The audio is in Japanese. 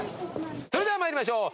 それでは参りましょう。